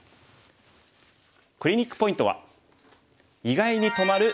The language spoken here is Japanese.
クリニックポイントは。